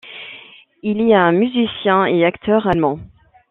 Il est un musicien et acteur allemand.